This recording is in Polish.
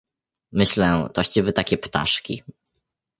"myślę, toście wy takie ptaszki?..."